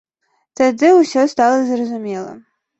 Тады ўсё стала зразумела.